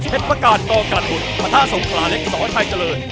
เพชรพระกาลกรกรรดฑุร์พระท่าสงคราเล็กสอชัยเจริญ